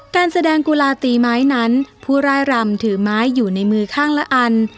การแสดงกุลาตีไม้นั้นผู้ร่ายรำถือไม้อยู่ในมือข้างละอัน